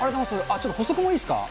ちょっと補足もいいですか。